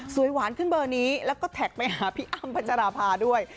หวานขึ้นเบอร์นี้แล้วก็แท็กไปหาพี่อ้ำพัชราภาด้วย